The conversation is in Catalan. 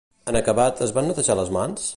En acabat es van netejar les mans?